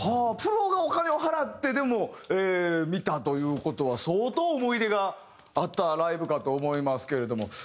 プロがお金を払ってでも見たという事は相当思い入れがあったライブかと思いますけれども。